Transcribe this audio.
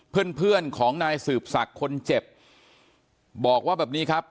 เพื่อนเพื่อนของนายสืบศักดิ์คนเจ็บบอกว่าแบบนี้ครับ